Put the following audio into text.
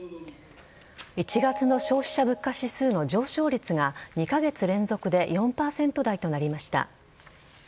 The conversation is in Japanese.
１月の消費者物価指数の上昇率が２カ月連続で４％台となりました。